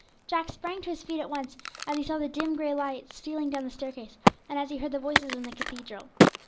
Jack sprang to his feet at once, as he saw the dim grey light stealing down the staircase, and as he heard the voices in the cathedral.